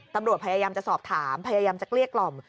ตำรวจพยายามจะสอบถามพยายามจะเกลี้ยกล่อม